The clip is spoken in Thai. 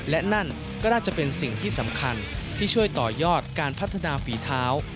และนั่นก็น่าจะเป็นสิ่งที่สำคัญที่ช่วยต่อยอดการพัฒนาฝีเท้า